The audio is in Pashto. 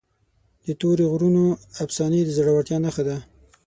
د تورې غرونو افسانې د زړورتیا نښه ده.